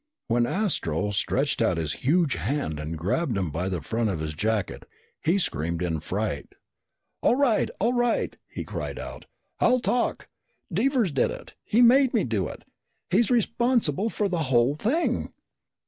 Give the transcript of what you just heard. When Astro stretched out his huge hand and grabbed him by the front of his jacket, he screamed in fright. "All right, all right!" he cried out. "I'll talk! Devers did it! He made me do it! He's responsible for the whole thing!"